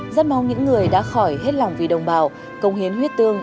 rất mong những người đã khỏi hết lòng vì đồng bào công hiến huyết tương